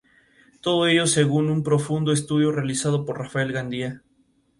Todo ello según un profundo estudio realizado por Rafael Gandía.